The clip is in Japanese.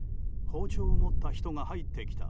包丁を持った人が入ってきた。